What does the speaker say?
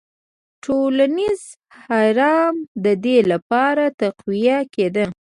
ټولنیز هرم د دې لپاره تقویه کېده.